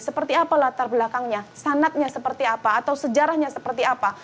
seperti apa latar belakangnya sanatnya seperti apa atau sejarahnya seperti apa